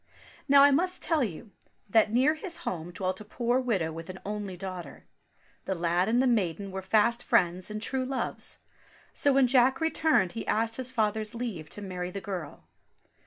Now, I must tell you that near his home dwelt a poor widow with an only daughter. The lad and the maiden were fast friends and true loves. So when Jack returned he asked his father's leave to marry the girl.